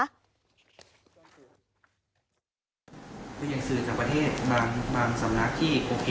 คืออย่างสื่อจากประเทศบางสำนักที่โอเค